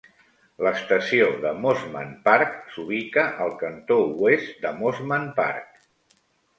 L'estació de Mosman Park s'ubica al cantó oest de Mosman Park.